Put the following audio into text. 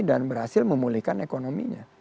dan berhasil memulihkan ekonominya